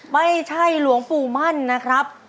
ไม่ใช่หลวงปู่มั่นนะครับ